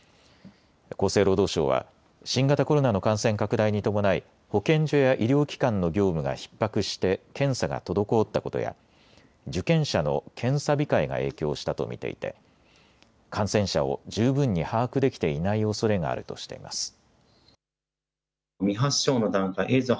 厚生労働省は新型コロナの感染拡大に伴い保健所や医療機関の業務がひっ迫して検査が滞ったことや受検者の検査控えが影響したと見ていて感染者を十分に把握できていないおそれがあるとしています。